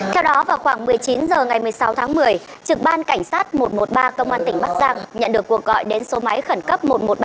theo đó vào khoảng một mươi chín h ngày một mươi sáu tháng một mươi trực ban cảnh sát một trăm một mươi ba công an tỉnh bắc giang nhận được cuộc gọi đến số máy khẩn cấp một trăm một mươi ba